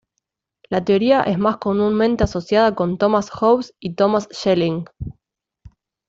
La teoría es más comúnmente asociada con Thomas Hobbes y Thomas Schelling.